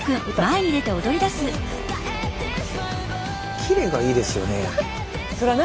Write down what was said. キレがいいですよね。